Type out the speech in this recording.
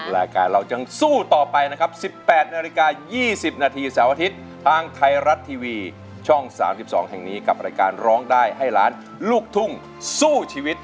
รายการเรายังสู้ต่อไปนะครับ๑๘นาฬิกา๒๐นาทีเสาร์อาทิตย์ทางไทยรัฐทีวีช่อง๓๒แห่งนี้กับรายการร้องได้ให้ล้านลูกทุ่งสู้ชีวิต